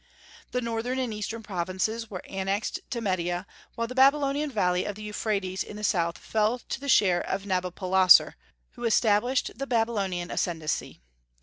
The northern and eastern provinces were annexed to Media, while the Babylonian valley of the Euphrates in the south fell to the share of Nabopolassar, who established the Babylonian ascendency.